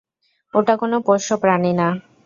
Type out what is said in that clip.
ওটা কোনো পোষ্য প্রাণী না।